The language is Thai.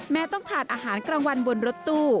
ต้องทานอาหารกลางวันบนรถตู้